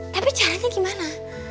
tapi caranya gimana